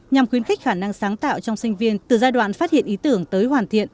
nhằm khuyến khích khả năng sáng tạo trong sinh viên từ giai đoạn phát hiện ý tưởng tới hoàn thiện